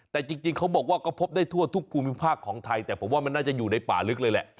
แต่จริงเขาบอกว่าก็พบได้ทั่วทุกภูมิภาคของไทยแต่ผมว่ามันน่าจะอยู่ในป่าลึกเลยแหละ